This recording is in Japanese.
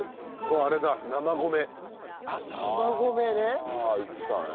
ああ言ってたね。